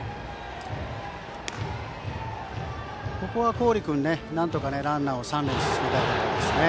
郡君、なんとかランナーを三塁に進めたいところですね。